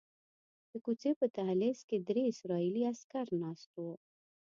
د کوڅې په دهلیز کې درې اسرائیلي عسکر ناست وو.